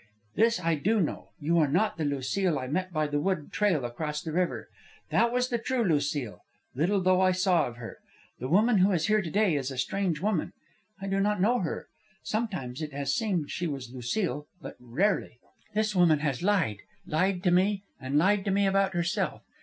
This I do know, you are not the Lucile I met by the wood trail across the river. That was the true Lucile, little though I saw of her. The woman who is here to day is a strange woman. I do not know her. Sometimes it has seemed she was Lucile, but rarely. This woman has lied, lied to me, and lied to me about herself.